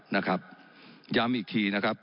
ย้ำอีกทีนะครับ